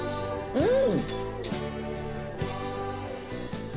うん。